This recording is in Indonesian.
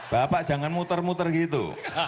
bapak jangan muter muter gitu